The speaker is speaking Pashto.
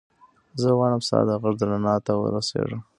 زه غواړم ستا د غږ رڼا ته ورسېږم.